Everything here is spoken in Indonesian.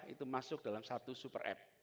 itu masuk dalam satu super app